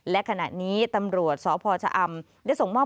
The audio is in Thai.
และขณะนี้ตำรวจสพอได้ส่งมา